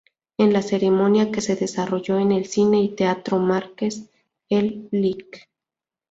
En la ceremonia que se desarrolló en el Cine y Teatro Márquez, el Lic.